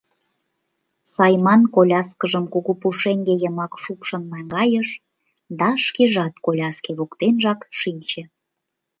Сайман коляскыжым кугу пушеҥге йымак шупшын наҥгайыш да шкежат коляске воктенжак шинче.